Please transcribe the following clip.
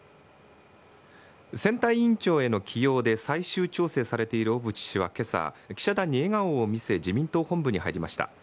選対委員長への起用で最終調整されている小渕氏はけさ、記者団に笑顔を見せ、自民党本部に入りました。